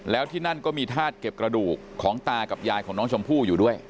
แล้วที่นั่นก็มีธาตุเก็บกระดูกของตากับยายของน้องชมพู่อยู่ด้วย